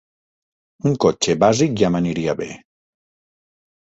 Un cotxe bàsic ja m'aniria bé.